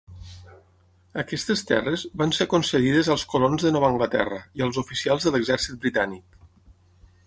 Aquestes terres van ser concedides als colons de Nova Anglaterra i als oficials de l'exèrcit britànic.